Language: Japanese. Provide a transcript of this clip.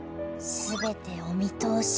全てお見通し！